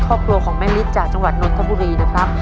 ครอบครัวของแม่ฤทธิ์จากจังหวัดนทบุรีนะครับ